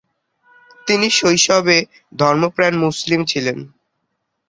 তিনি শৈশবে ধর্মপ্রাণ মুসলিম ছিলেন।